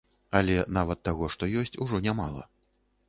Але нават таго, што ёсць, ужо нямала.